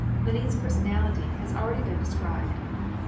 Lenine's personality has already been described.